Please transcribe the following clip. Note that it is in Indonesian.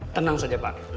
tenang saja pak